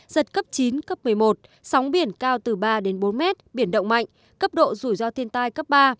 giật cấp chín cấp một mươi một sóng biển cao từ ba đến bốn mét biển động mạnh cấp độ rủi ro thiên tai cấp ba